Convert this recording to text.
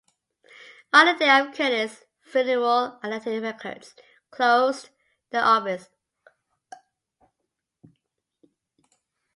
On the day of Curtis's funeral Atlantic Records closed their offices.